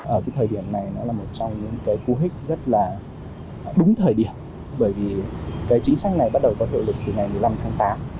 ở cái thời điểm này nó là một trong những cái cú hích rất là đúng thời điểm bởi vì cái chính sách này bắt đầu có hiệu lực từ ngày một mươi năm tháng tám